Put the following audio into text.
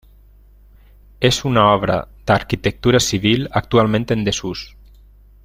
És una obra d'arquitectura civil actualment en desús.